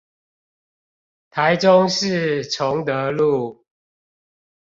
台中市崇德路